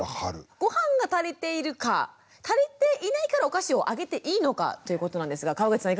ごはんが足りているか足りていないからお菓子をあげていいのかということなんですが川口さん